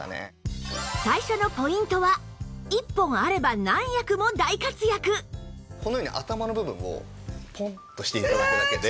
最初のポイントはこのように頭の部分をポンとして頂くだけで。